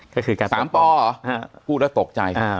๓ปหรอพูดแล้วตกใจครับ